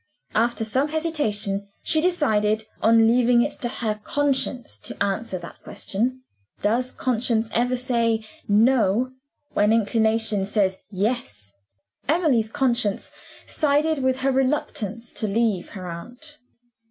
After some hesitation, she decided on leaving it to her conscience to answer that question. Does conscience ever say, No when inclination says, Yes? Emily's conscience sided with her reluctance to leave her aunt.